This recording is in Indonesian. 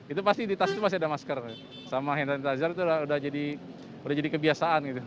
itu pasti di tas itu pasti ada masker sama hand sanitizer itu udah jadi kebiasaan gitu